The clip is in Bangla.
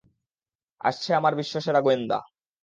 আসছে আমার বিশ্বসেরা গোয়েন্দা!